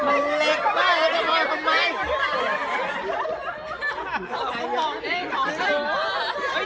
มันเล็กมากเลยจะมอยกันไหม